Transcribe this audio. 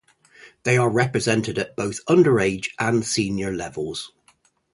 They are represented at both underage and senior levels.